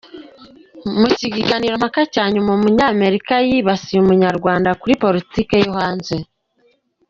Mu kiganirompaka cya nyuma umunyamerika yibasiye umunyarwanda kuri politiki yo hanze